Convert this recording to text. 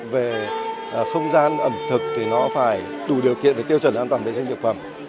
về không gian ẩm thực thì nó phải đủ điều kiện để tiêu chuẩn an toàn để dành dược phẩm